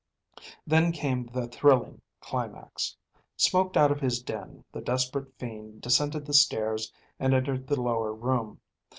Then came the thrilling climax. Smoked out of his den, the desperate fiend descended the stairs and entered the lower room.